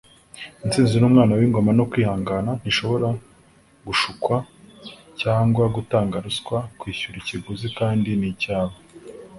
intsinzi ni umwana w'ingoma no kwihangana. ntishobora gushukwa cyangwa gutanga ruswa; kwishyura ikiguzi kandi ni icyawe